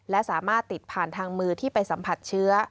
และสามารถติดผ่านทางมือที่ไปสัมผัสเชื้อ